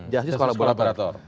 jc sekolah sekolah operator